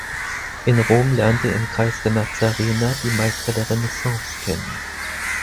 In Rom lernte er im Kreis der Nazarener die Meister der Renaissance kennen.